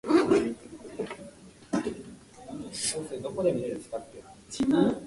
Optical imaging systems may be divided into diffusive and ballistic imaging systems.